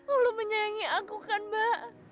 allah menyayangi aku kan mbak